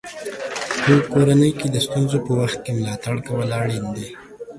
په کورنۍ کې د ستونزو په وخت کې ملاتړ کول اړین دي.